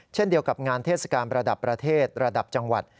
เช่นเดียวกับงานเทศกาลระดับประเทศระดับจังหวัด